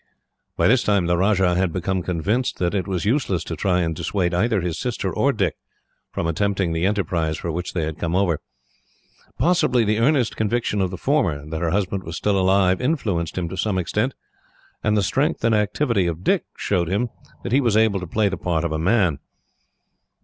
By this time, the Rajah had become convinced that it was useless to try and dissuade either his sister or Dick from attempting the enterprise for which they had come over. Possibly, the earnest conviction of the former that her husband was still alive influenced him to some extent, and the strength and activity of Dick showed him that he was able to play the part of a man.